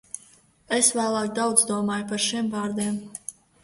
Es vēlāk daudz domāju par šiem vārdiem.